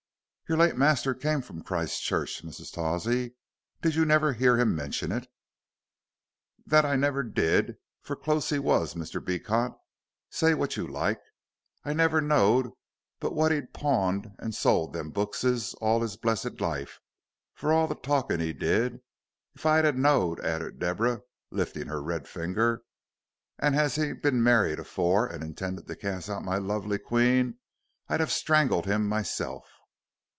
"Your late master came from Christchurch, Mrs. Tawsey. Did you never hear him mention it?" "That I never did, for close he was, Mr. Beecot, say what you like. I never knowed but what he'd pawned and sold them bookses all his blessed life, for all the talkin' he did. If I'd ha' knowd," added Deborah, lifting her red finger, "as he'd bin maried afore and intended to cast out my lovely queen, I'd ha' strangled him myself."